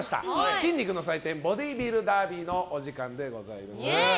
筋肉の祭典ボディービルダービーのお時間でございます。